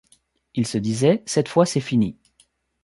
Ils se disaient : Cette fois, c’est fini.